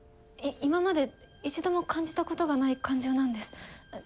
今まで一度も感じたことがない感情なんです。